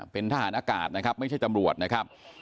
เป็นทหารอากาศนะครับไม่ใช่ตำรวจนะครับ